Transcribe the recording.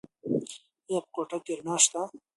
ایا په کوټه کې رڼا شته؟